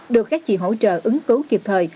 được các chị hỗ trợ ứng cứu kịp thời